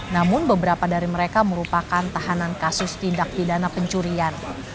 namun beberapa dari mereka merupakan tahanan kasus tindak pidana pencurian